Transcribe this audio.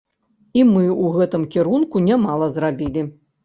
І мы ў гэтым кірунку нямала зрабілі.